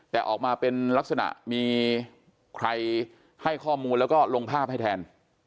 แต่ออกมาเป็นลักษณะมีใครให้ข้อมูลแล้วก็ลงภาพให้แทน